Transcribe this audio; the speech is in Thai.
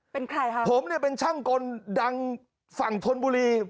เป็นใครคะผมเนี่ยเป็นช่างกลดังฝั่งธนบุรี